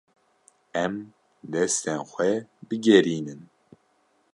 Em destên xwe bigerînin.